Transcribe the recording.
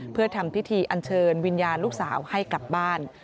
เพื่อทำพิธีอันเชิญวิญญาณลูกสาวให้กลับบ้าน